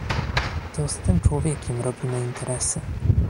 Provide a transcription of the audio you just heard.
To z tym człowiekiem robimy interesy